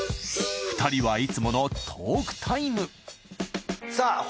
２人はいつものトークタイムさあ